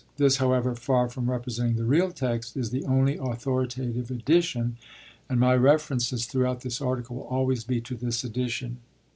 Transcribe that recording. This, however far from representing the real text, is the only authoritative edition, and my references throughout this article will always be to this edition.